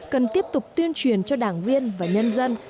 cần tiếp tục tuyên truyền cho đảng viên và nhân dân